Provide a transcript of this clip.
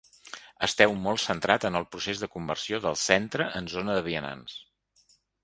Esteu molt centrat en el procés de conversió del centre en zona de vianants.